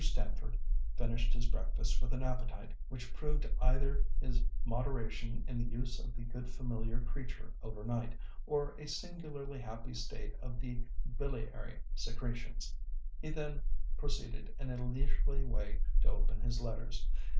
Stamford finished his breakfast with an appetite which proved either his moderation in the use of the good familiar creature over night, or a singularly happy state of the biliary secretions. He then proceeded in a leisurely way to open his letters.